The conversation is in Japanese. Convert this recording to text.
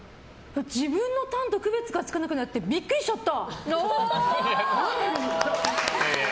自分のタンと区別がつかなくなってビックリしちゃった！